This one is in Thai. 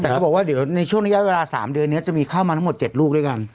แต่เขาบอกว่าในช่วงนี้ก็จะมีเข้ามาทั้งหมด๗ลูกด้วยกัน